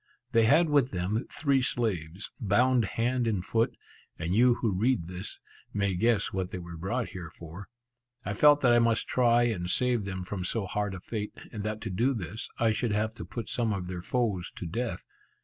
They had with them three slaves, bound hand and foot, and you who read this, may guess what they were brought here for. I felt that I must try and save them from so hard a fate, and that to do this, I should have to put some of their foes to death.